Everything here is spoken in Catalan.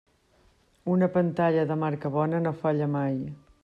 Una pantalla de marca bona no falla mai.